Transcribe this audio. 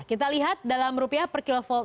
kita lihat dalam rupiah per kilo volt